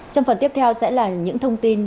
trong phần tiếp theo sẽ là những thông tin